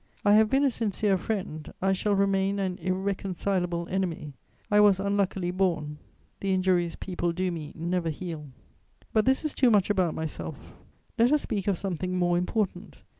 I have been a sincere friend, I shall remain an irreconcilable enemy. I was unluckily born; the injuries people do me never heal. "But this is too much about myself: let us speak of something more important.